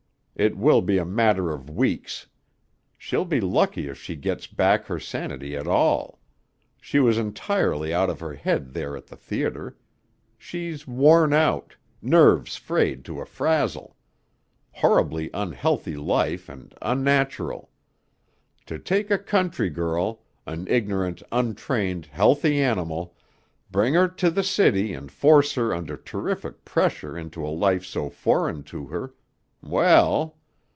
It will be a matter of weeks. She'll be lucky if she gets back her sanity at all. She was entirely out of her head there at the theater. She's worn out, nerves frayed to a frazzle. Horribly unhealthy life and unnatural. To take a country girl, an ignorant, untrained, healthy animal, bring her to the city and force her under terrific pressure into a life so foreign to her well!